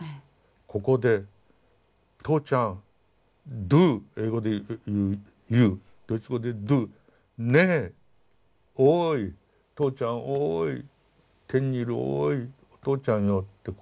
ここで「とうちゃん」ドゥー英語で言うユードイツ語でドゥー「ねえおいとうちゃんおい天にいるおいおとうちゃんよ」ってこう呼びかけた。